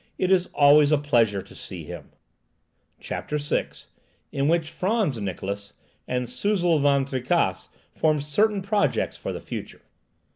It is always a pleasure to see him!" CHAPTER VI. IN WHICH FRANTZ NIKLAUSSE AND SUZEL VAN TRICASSE FORM CERTAIN PROJECTS FOR THE FUTURE.